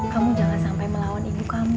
kamu jangan sampai melawan ibu kamu